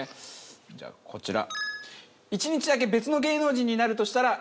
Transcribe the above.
じゃあこちら。